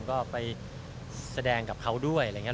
ก็ไปแสดงกับเขาด้วยอะไรอย่างนี้